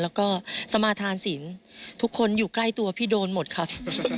แล้วก็สมาธานศิลป์ทุกคนอยู่ใกล้ตัวพี่โดนหมดครับ